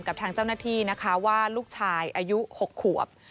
กับทางเจ้าหน้าที่นะคะว่าลูกชายอายุ๖ขวบ